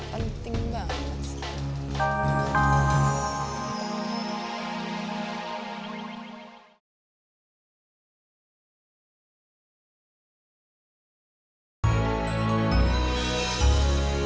penting banget sih